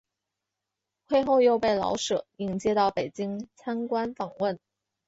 会后又被老舍引介到北京参观访问。